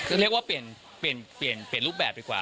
เรียกว่าเปลี่ยนรูปแบบดีกว่า